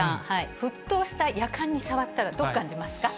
沸騰したやかんに触ったらどう感じますか？